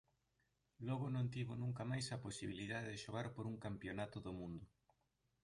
Logo non tivo nunca mais a posibilidade de xogar por un Campionato do Mundo.